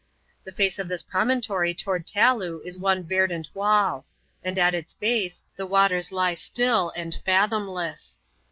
The face of this promontory toward Taloo is one verdant wall ; and at its base the waters lie still, and fa thomless.